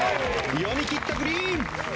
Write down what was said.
読み切った、グリーン！